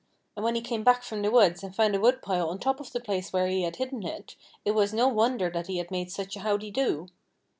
And when he came back from the woods and found a woodpile on top of the place where he had hidden it, it was no wonder that he made such a howdy do.